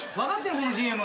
このＣＭ。